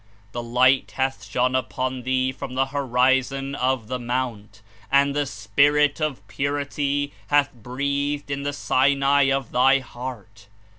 The Li^ht hath shone upon thee from the horizon of the Mount, and the Spirit of Purity hath breathed in the Sinai of thy heart.